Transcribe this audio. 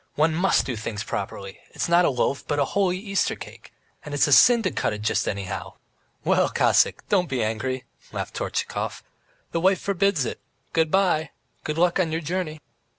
One must do things properly; it's not a loaf, but a holy Easter cake. And it's a sin to cut it just anyhow." "Well, Cossack, don't be angry," laughed Tortchakov. "The wife forbids it! Good bye. Good luck on your journey!"